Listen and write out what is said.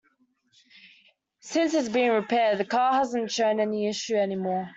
Since it's been repaired, the car hasn't shown the issue any more.